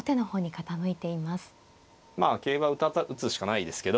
はい。